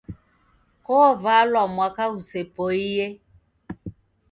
Kovalwa mwaka ghusepoie